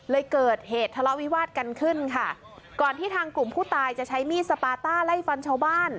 เกิดเหตุทะเลาะวิวาสกันขึ้นค่ะก่อนที่ทางกลุ่มผู้ตายจะใช้มีดสปาต้าไล่ฟันชาวบ้าน